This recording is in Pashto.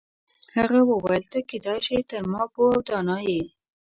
هغه وویل ته کیدای شي تر ما پوه او دانا یې.